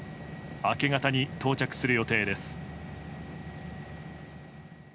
明け方に到着する予定です。